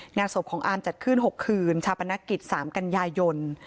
งานศพของอาร์มจัดขึ้น๖คืนชาปนกิจ๓กันยายน